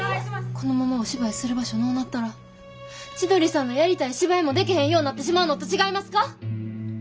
このままお芝居する場所のうなったら千鳥さんのやりたい芝居もできへんようなってしまうのと違いますか？